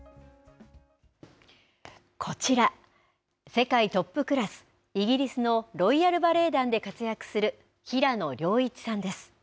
こちら、世界トップクラス、イギリスのロイヤル・バレエ団で活躍する平野亮一さんです。